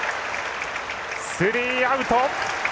スリーアウト。